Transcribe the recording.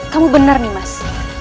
kamu benar nimas